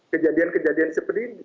kejadian kejadian seperti ini